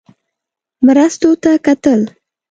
مرستو ته کتل.